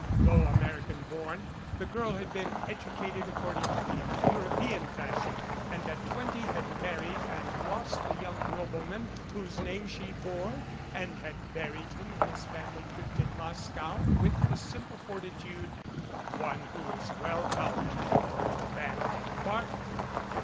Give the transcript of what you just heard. Though American born, the girl had been educated according to the Euro pean fashion and at twenty had married and lost the young nobleman whose name she bore, and had buried him in his family crypt in Moscow with the simple forti tude of one who is well out of a bad bargain.